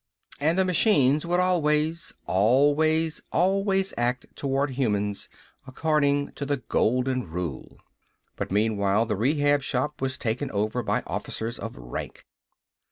And the machines would always, always, always act toward humans according to the golden rule. But meanwhile the Rehab Shop was taken over by officers of rank.